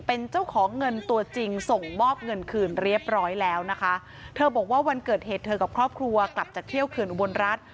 เป็นเจ้าของเงินตัวจริงส่งมอบเงินคืนเรียบร้อยแล้วนะคะเธอบอกว่าวันเกิดเหตุเธอกับครอบครัวกลับจากเที่ยวเขื่อนอุบลรัฐ